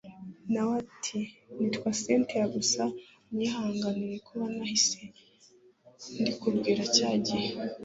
nawe ati nitwa cyntia gusa unyihanganire kuba ntahise ndikubwira cyagihe